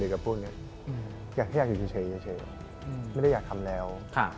แกจะอยากอยู่เฉยไม่อยากทำแล้ว